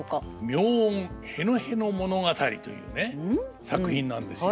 「妙音へのへの物語」というね作品なんですよ。